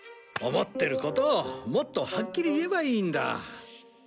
思ってることをもっとはっきり言えばいいんだ。